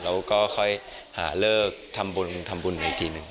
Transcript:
แล้วก็ค่อยหาเลิกทำบุญทำบุญอีกทีหนึ่ง